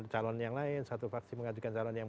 calon yang lain satu faksi mengajukan calon yang